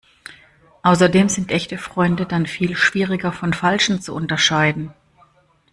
Außerdem sind echte Freunde dann viel schwieriger von falschen zu unterscheiden.